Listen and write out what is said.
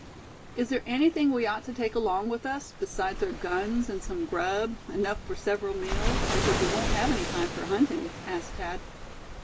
"Is there anything we ought to take along with us besides our guns, and some grub, enough for several meals, because we won't have any time for hunting?" asked Thad.